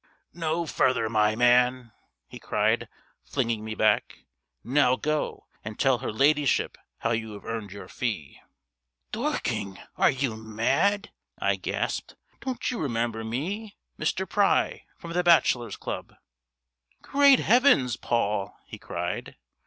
"No further, my man," he cried, flinging me back. "Now go, and tell her ladyship how you have earned your fee!" "Dorking! are you mad?" I gasped. "Don't you remember me Mr. Pry from the Bachelor's Club?" "Great heavens, Paul!" he cried.